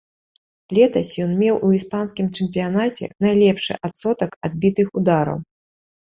Летась ён меў у іспанскім чэмпіянаце найлепшы адсотак адбітых удараў.